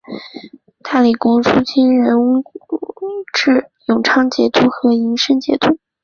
大理国初期仍置永昌节度和银生节度。